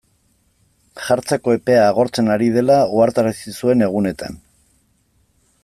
Jartzeko epea agortzen ari dela ohartarazi zuen egunetan.